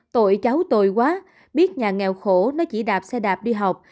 tội cháu tồi quá biết nhà nghèo khổ nó chỉ đạp xe đạp đi học